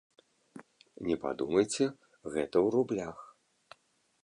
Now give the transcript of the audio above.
Не падумайце, гэта ў рублях.